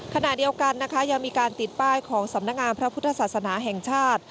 ขณะเดียวกันนะคะยังมีการติดป้ายของสำนักงานพระพุทธศาสนาแห่งชาติ